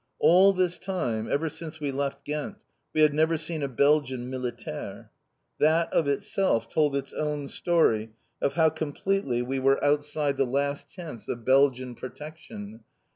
All this time, ever since we left Ghent, we had never seen a Belgian militaire. That of itself told its own story of how completely we were outside the last chance of Belgian protection.